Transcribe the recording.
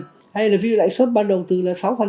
hay là ví dụ lãi xuất ban đầu tư là sáu